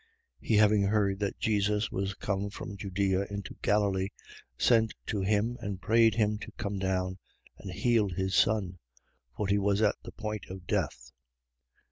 4:47. He having heard that Jesus was come from Judea into Galilee, sent to him and prayed him to come down and heal his son: for he was at the point of death.